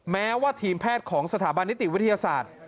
แม้ว่าทีมแพทย์ของสถาบันนิติวิทยาศาสตร์